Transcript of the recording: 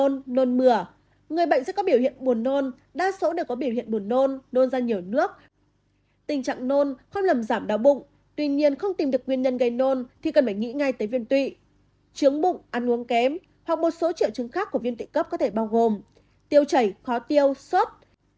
nếu không tìm được nguyên nhân gây nôn thì cần phải nghĩ ngay tới viên tụy chướng bụng ăn uống kém hoặc một số triệu chứng khác của viên tụy cấp có thể bao gồm tiêu chảy khó tiêu suốt